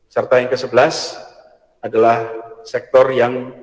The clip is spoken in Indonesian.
serta yang kesebelas adalah sektor yang